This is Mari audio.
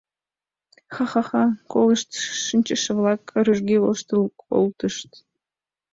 — Ха-ха-ха! — колышт шинчыше-влак рӱжге воштыл колтышт.